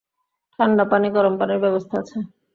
ঠাণ্ডা পানি, গরম পানির ব্যবস্থা আছে।